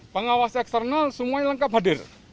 pengawas eksternal semuanya lengkap hadir